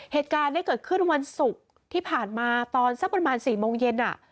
เหตุการณ์เนี่ยเกิดขึ้นวันศุกร์ที่ผ่านมาตอนสักประมาณ๔โมงเย็น